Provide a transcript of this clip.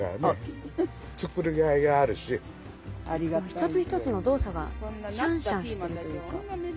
一つ一つの動作がしゃんしゃんしてるというか。